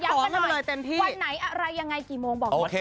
ย้ำกันหน่อยขาย้ำกันหน่อย